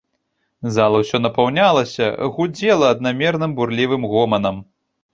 Зала ўсё напаўнялася, гудзела аднамерным бурлівым гоманам.